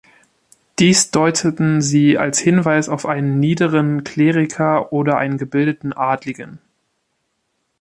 Dies deuteten sie als Hinweis auf einen niederen Kleriker oder einen gebildeten Adligen.